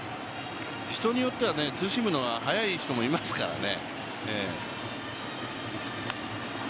人によってはツーシームの方が速い人もいますからね。